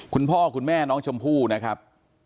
คุณพ่อคุณแม่น้องชมพู่นะครับ